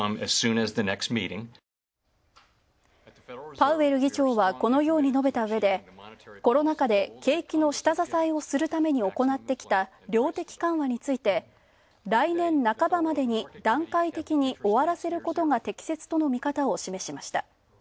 パウエル議長はこのように述べたうえでコロナ禍で景気の下支えするために行ってきた量的緩和について来年半ばまでに段階的に終わらせることが適切との見方を示しました。